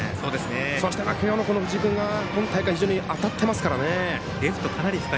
そして藤井君が今大会非常に当たってますからね。